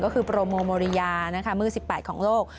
ก็คือโปรโมโมริยามือ๑๘ของโลก